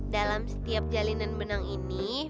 dalam setiap jalinan benang ini